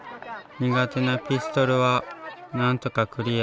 苦手なピストルは何とかクリア。